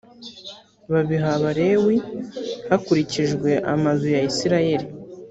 babiha abalewi hakurikijwe amazu ya isirayeli